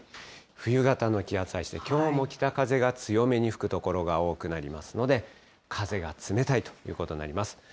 冬型の気圧配置で、きょうも北風が強めに吹く所が多くなりますので、風が冷たいということになります。